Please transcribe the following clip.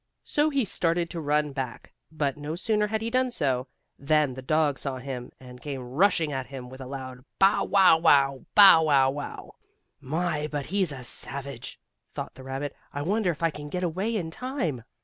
So he started to run back, but, no sooner had he done so, than the dog saw him, and came rushing at him with a loud, "Bow wow wow! Bow wow wow!" "My, but he's savage!" thought the rabbit. "I wonder if I can get away in time?"